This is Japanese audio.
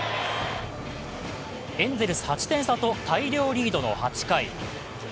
エンゼルス８点差と大量リードの８回。